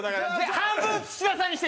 半分土田さんにして！